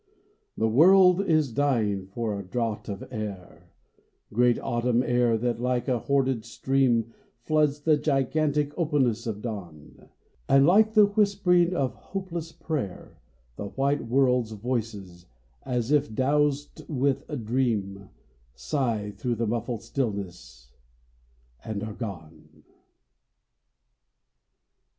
The world is dying for a draught of air, Great autumn air that like a hoarded stream Floods the gigantic openness of dawn ; And, like the whispering of hopeless prayer, The white world's voices, as if drowsed with dream, Sigh through the muffled stillness and are gone.